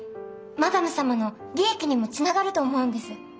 マダム様の利益にもつながると思うんです。